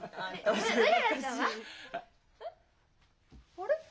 あれ？